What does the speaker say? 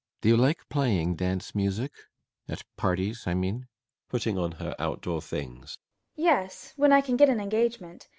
] Do you like playing dance music? At parties, I mean? FRIDA. [Putting on her outdoor things.] Yes, when I can get an engagement.